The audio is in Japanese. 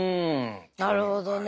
なるほどね。